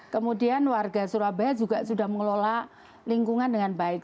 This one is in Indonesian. kemudian warga surabaya juga sudah mengelola lingkungan dengan baik